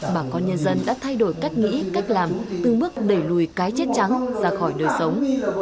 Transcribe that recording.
bà con nhân dân đã thay đổi cách nghĩ cách làm từng bước đẩy lùi cái chết trắng ra khỏi đời sống